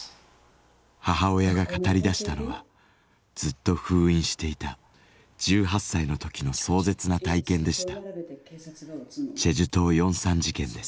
母親が語りだしたのはずっと封印していた１８歳の時の壮絶な体験でした。